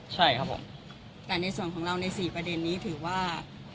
ใช่ครับผมแต่ในส่วนของเราใน๔ประเด็นนี้ถือว่า